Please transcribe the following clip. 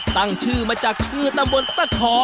ตั้งชื่อมาจากชื่อตำบลตะขอ